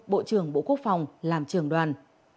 bộ trưởng bộ quốc phòng làm trường đoàn